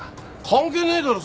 関係ねえだろ